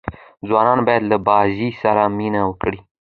ځوانان باید له بازۍ سره مینه وکړي.